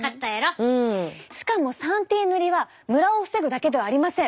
しかも３Ｔ塗りはムラを防ぐだけではありません。